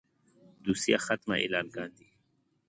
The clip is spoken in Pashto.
دوسيه ختمه اعلان کاندي.